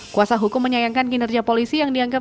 kuasa hukum menyayangkan kinerja polisi yang dianggap